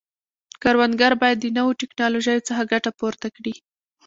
کروندګر باید د نوو ټکنالوژیو څخه ګټه پورته کړي.